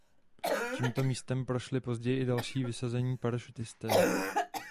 Tímto místem prošli později i další vysazení parašutisté.